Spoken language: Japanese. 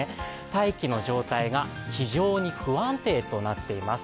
大気の状態が非常に不安定となっています。